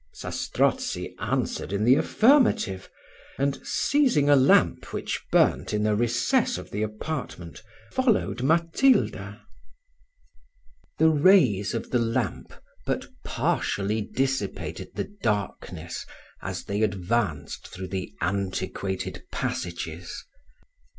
Zastrozzi answered in the affirmative, and seizing a lamp which burnt in a recess of the apartment, followed Matilda. The rays of the lamp but partially dissipated the darkness as they advanced through the antiquated passages.